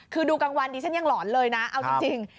คือดูกลางวันดิฉันยังหลอนเลยนะเอาจริง